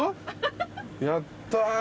やった。